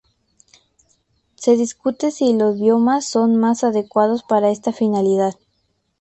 Se discute si los biomas son más adecuados para esta finalidad.